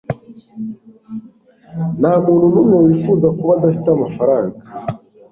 ntamuntu numwe wifuza kuba adafite amafaranga